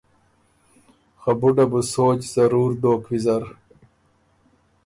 خه بُډه بُو سوچ ضرور دوک ویزر۔